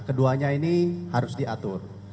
keduanya ini harus diatur